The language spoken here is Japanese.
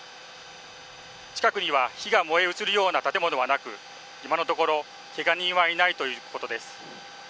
近くには火が燃え移るような建物はなく今のところけが人はいないということです。